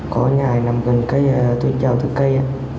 có nhà thì gần năm tuần cây tôi chào từ cây